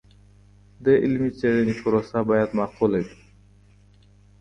د علمي څیړني پروسه باید معقوله وي.